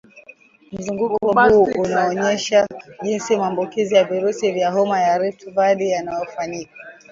Mzunguko huu unaoonyesha jinsi maambukizi ya virusi vya homa ya Rift Valley yanavyofanyika